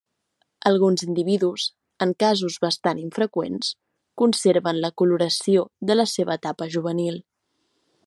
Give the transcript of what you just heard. Alguns individus, en casos bastant infreqüents, conserven la coloració de la seva etapa juvenil.